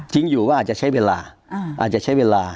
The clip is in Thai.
อยู่ก็อาจจะใช้เวลาอาจจะใช้เวลา